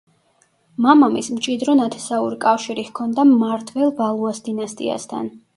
მამამისს მჭიდრო ნათესავური კავშირი ჰქონდა მმართველ ვალუას დინასტიასთან.